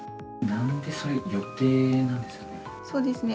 なんで予定なんですかね？